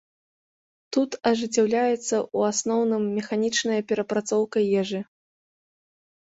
Тут ажыццяўляецца, у асноўным, механічная перапрацоўка ежы.